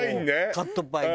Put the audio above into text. カットパイン。